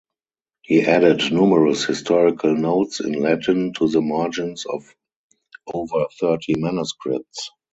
He added numerous historical notes in Latin to the margins of over thirty manuscripts.